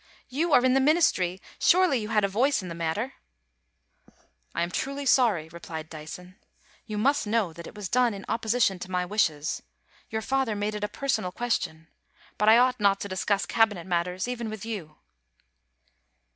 ' You are in the Ministry ; surely you had a voice in the matter ?I am truly sorry,' replied Dyson. * You must know that it was done in opposition to my wishes. Your father made it a personal question. But I ought not to discuss Cabinet matters even with you.'